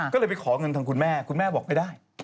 ก็เลยไปขอเงินทางคุณแม่คุณแม่บอกไม่ได้